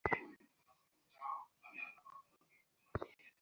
তারপর আর কিছু ভাবিও না।